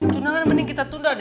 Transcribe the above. tunangan mending kita tunda